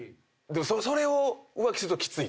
それを浮気するときつい。